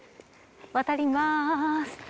渡ります。